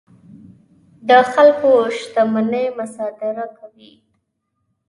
د خلکو شتمنۍ مصادره کوي.